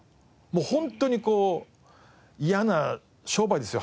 もうホントにこう嫌な商売ですよ